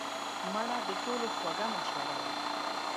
مړه د ټولو خوږه مشوره وه